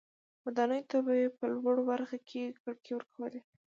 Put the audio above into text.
ودانیو ته به یې په لوړه برخه کې کړکۍ ورکولې.